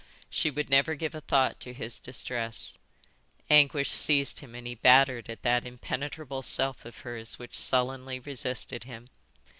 She would never give a thought to his distress. Anguish seized him and he battered at that impenetrable self of hers which sullenly resisted him.